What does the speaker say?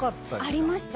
ありました。